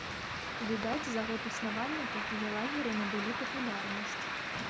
Відаць, за год існавання такія лагеры набылі папулярнасць.